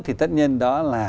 thì tất nhiên đó là